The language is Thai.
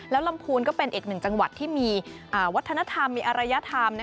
ลำพูนก็เป็นอีกหนึ่งจังหวัดที่มีวัฒนธรรมมีอรยธรรม